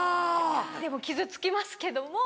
でも傷つきますけども。